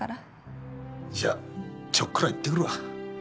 じゃあちょっくら行ってくるわ。